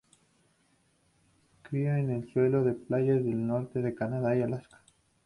Cría en el suelo de playas del norte de Canadá y Alaska.